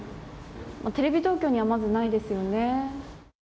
テレビ東京には、まずないですよね。